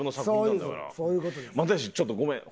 又吉ちょっとごめん。